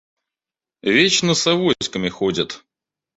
Вечно с авоськами ходит.